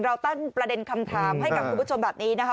ตั้งประเด็นคำถามให้กับคุณผู้ชมแบบนี้นะคะ